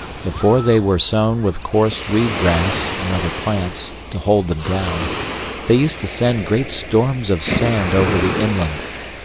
Before they were sown with coarse reed grass and other plants, to hold them down, they used to send great storms of sand over the inland.